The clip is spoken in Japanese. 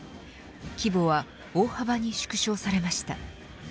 規模は大幅に縮小されました。